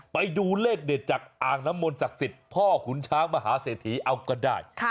ไปดูเลขเนี่ยจากอางน้ำมนศักดิ์ศิษย์พ่อขุนช้างมหาเสถีเอาก็ได้